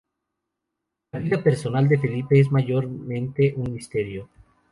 La vida personal de Felipe es mayormente un misterio.